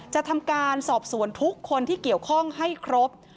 จะทำการสอบสวนทุกคนที่เกี่ยวข้องให้ครบ